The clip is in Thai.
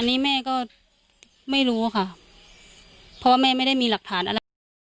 อันนี้แม่ก็ไม่รู้ค่ะเพราะว่าแม่ไม่ได้มีหลักฐานอะไร